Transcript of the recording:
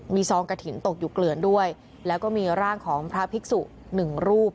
มีซองกระถิ่นตกอยู่เกลือนด้วยแล้วก็มีร่างของพระภิกษุหนึ่งรูป